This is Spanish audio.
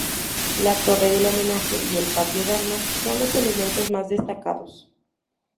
La Torre del Homenaje y el Patio de Armas son los elementos más destacados.